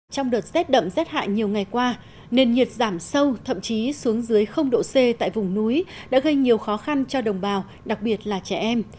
trong đợt rét đậm rét hại nhiều ngày qua nền nhiệt giảm sâu thậm chí xuống dưới độ c tại vùng núi đã gây nhiều khó khăn cho đồng bào đặc biệt là trẻ em